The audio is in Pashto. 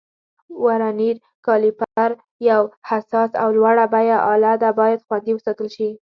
ورنیر کالیپر یو حساس او لوړه بیه آله ده، باید خوندي وساتل شي.